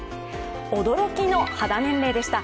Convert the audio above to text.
驚きの肌年齢でした。